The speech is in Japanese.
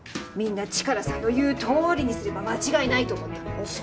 みんなチカラさんの言うとおりにすれば間違いないと思ったのに。